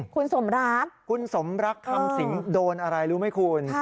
คุณสมรักคุณสมรักคำสิงโดนอะไรรู้ไหมคุณ